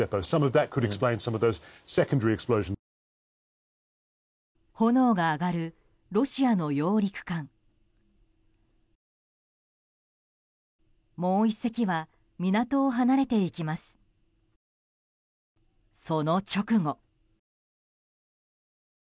その直後。